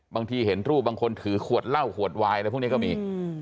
บางทีเห็นรูปบางคนถือขวดเหล้าขวดวายอะไรพวกนี้ก็มี